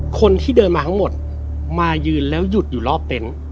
คนที่เดินมาทั้งหมดมายืนแล้วหยุดอยู่รอบเต็นต์